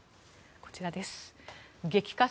こちらです。